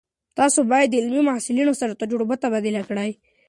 تاسو باید د علمي محصلینو سره د تجربو تبادله وکړئ.